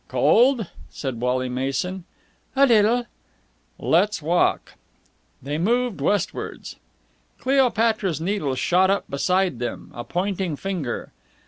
"Cold?" said Wally Mason. "A little." "Let's walk." They moved westwards. Cleopatra's Needle shot up beside them, a pointing finger.